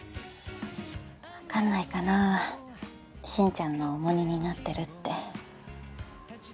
わかんないかなあ進ちゃんの重荷になってるって。